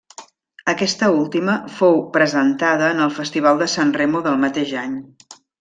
Aquesta última fou presentada en el Festival de Sanremo del mateix any.